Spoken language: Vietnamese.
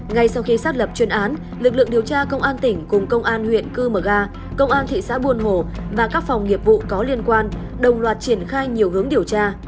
ngay sau khi xác lập chuyên án lực lượng điều tra công an tỉnh cùng công an huyện cư mờ ga công an thị xã buôn hồ và các phòng nghiệp vụ có liên quan đồng loạt triển khai nhiều hướng điều tra